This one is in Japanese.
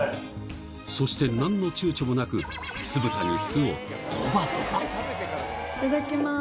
そして何のちゅうちょもなくいただきます。